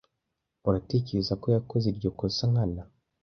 Uratekereza ko yakoze iryo kosa nkana?